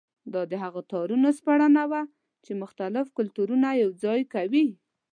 دا د هغو تارونو سپړنه وه چې مختلف کلتورونه یوځای کوي.